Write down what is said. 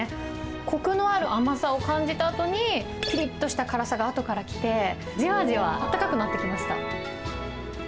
こくのある甘さを感じたあとに、ぴりっとした辛さがあとから来て、じわじわあったかくなってきました。